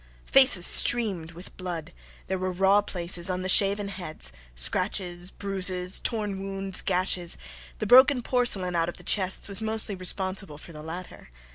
Faces streamed with blood; there were raw places on the shaven heads, scratches, bruises, torn wounds, gashes. The broken porcelain out of the chests was mostly responsible for the latter.